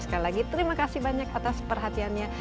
sekali lagi terima kasih banyak atas perhatiannya